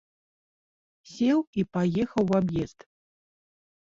Сеў і паехаў у аб'езд.